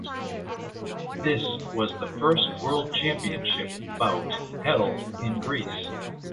This was the first world championship bout held in Greece.